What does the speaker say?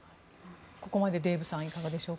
ここまでデーブさん、いかがでしょう？